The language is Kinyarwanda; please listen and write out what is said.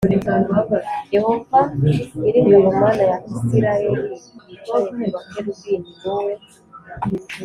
Yehova nyiri ingabo Mana ya Isirayelih yicaye ku bakerubi ni wowe